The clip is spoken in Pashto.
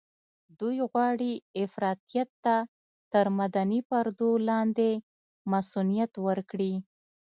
دوی غواړي افراطيت ته تر مدني پردو لاندې مصؤنيت ورکړي.